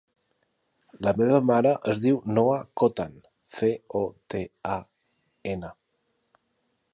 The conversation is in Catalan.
La meva mare es diu Noha Cotan: ce, o, te, a, ena.